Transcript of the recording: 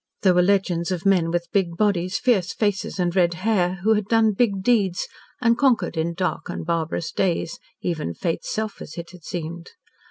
There were legends of men with big bodies, fierce faces, and red hair, who had done big deeds, and conquered in dark and barbarous days, even Fate's self, as it had seemed.